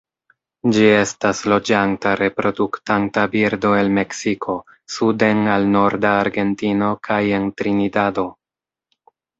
Ĝi estas loĝanta reproduktanta birdo el Meksiko suden al norda Argentino kaj en Trinidado.